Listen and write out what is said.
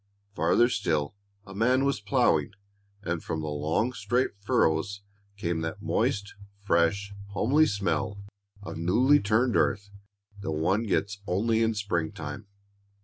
Farther still, a man was plowing, and from the long straight furrows came that moist, fresh, homely smell of newly turned earth that one gets only in springtime.